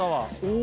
お！